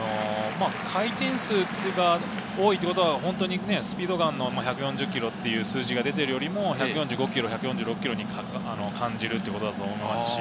回転数が多いということはスピードガンの１４０キロという数字が出ているよりも、１４５キロ、１５０キロに感じるということだと思います。